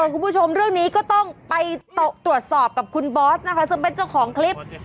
คุณผู้ชมเรื่องนี้ก็ต้องไปตรวจสอบกับคุณบอสนะคะซึ่งเป็นเจ้าของคลิป